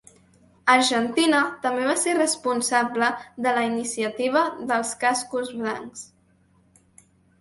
Argentina també va ser responsable de la iniciativa dels Cascos Blancs.